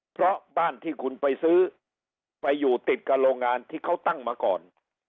เพราะบ้านที่คุณไปซื้อไปอยู่ติดกับโรงงานที่เขาตั้งมาก่อน